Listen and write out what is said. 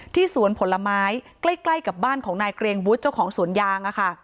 สวนผลไม้ใกล้กับบ้านของนายเกรงวุฒิเจ้าของสวนยาง